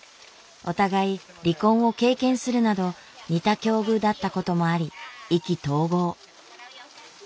お互い離婚を経験するなど似た境遇だったこともあり意気投合。